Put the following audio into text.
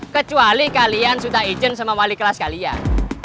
kecuali kalian sudah izin sama wali kelas kalian